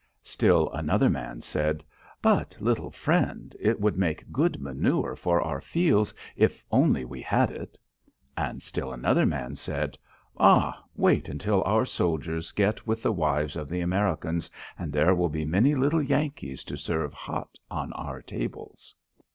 Still another man said: "But, little friend, it would make good manure for our fields if only we had it." And still another man said: "Ah, wait until our soldiers get with the wives of the Americans and there will be many little Yankees to serve hot on our tables.